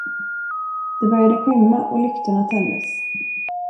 Det började skymma och lyktorna tändes.